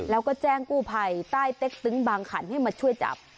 แล้วก็แจ้งกู้ภัยใต้เต็กตึงบางขันให้มาช่วยจับ